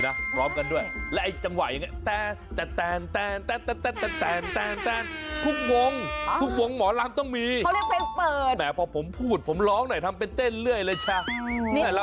นิดเดียวแล้วมันมนต์ขึ้นโฮเซลล์